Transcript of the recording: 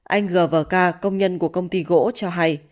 anh gvk công nhân của công ty gỗ cho hay